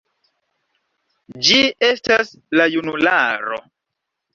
Ĝi estas la junularo.